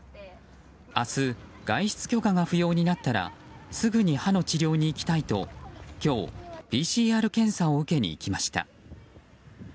明日、外出許可が不要になったらすぐに歯の治療に行きたいと今日ＰＣＲ検査を受けに行きました。